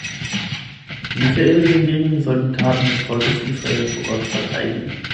Michael hingegen soll die Taten des Volkes Israel vor Gott verteidigen.